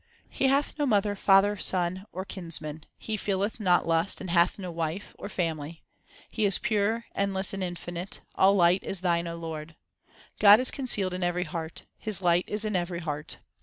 He hath no mother, father, son, or kinsman ; He feeleth not lust, and hath no wife Or family ; He is pure, endless, and infinite ; all lighl is Thine, O Lord. God is concealed in every heart ; His light is in every heart.